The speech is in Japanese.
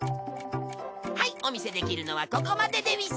はいお見せできるのはここまででうぃす！